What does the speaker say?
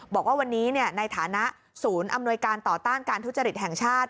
บอกว่าวันนี้ในฐานะศูนย์อำนวยการต่อต้านการทุจริตแห่งชาติ